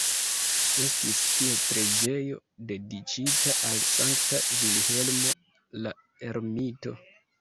Estis tie preĝejo dediĉita al Sankta Vilhelmo la Ermito.